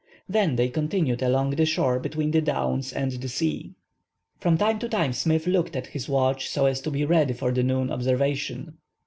Then they continued along the shore between the downs and the sea. From time to time Smith looked at his watch, so as to be ready for the noon observation.